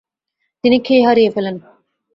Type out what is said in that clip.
তিনি খেই হারিয়ে ফেলেন।